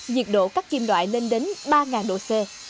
nhiệt độ cắt kim đoại lên đến ba nghìn độ c